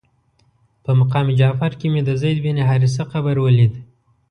په مقام جعفر کې مې د زید بن حارثه قبر ولید.